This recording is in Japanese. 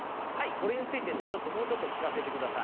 これについてねちょっともうちょっと聞かせてください。